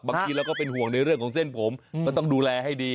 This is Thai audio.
บางทีเราก็เป็นห่วงในเรื่องของเส้นผมก็ต้องดูแลให้ดี